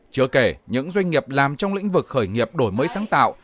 chưa kể những doanh nghiệp làm trong lĩnh vực khởi nghiệp đổi mới sáng tạo